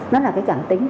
nó là cái trạng tính